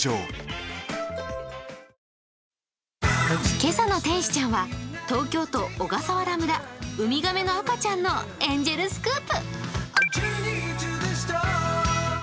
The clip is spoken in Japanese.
今朝の天使ちゃんは東京都小笠原村、ウミガメの赤ちゃんのエンジェルスクープ。